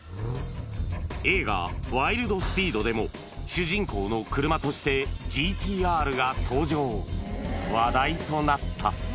映画、ワイルド・スピードでも主人公の車として、ＧＴーＲが登場。